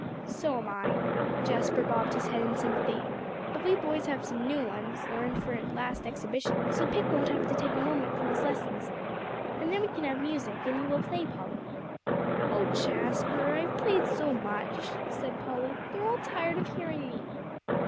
"So am I," Jasper bobbed his head in sympathy, "but we boys have some new ones, learned for last exhibition, so Pick won't have to take a moment from his lessons. And then we can have music, and you will play, Polly." "Oh Jasper, I've played so much," said Polly, "they're all tired of hearing me."